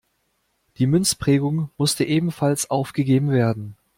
Die Münzprägung musste ebenfalls aufgegeben werden.